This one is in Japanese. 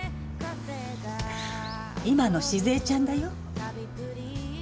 今の静江ちゃんだよ。